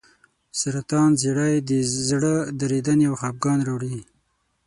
سرطان زیړی د زړه درېدنې او خپګان راوړي.